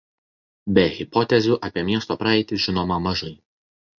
Be hipotezių apie miesto praeitį žinoma mažai.